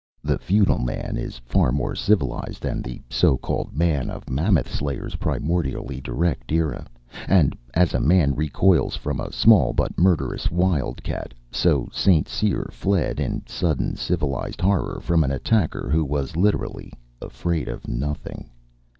The feudal man is far more civilized than the so called man of Mammoth Slayer's primordially direct era, and as a man recoils from a small but murderous wildcat, so St. Cyr fled in sudden civilized horror from an attacker who was, literally, afraid of nothing.